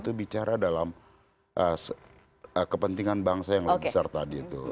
pembicaraan bu megawati dengan pak prabowo itu bicara dalam kepentingan bangsa yang lebih besar tadi itu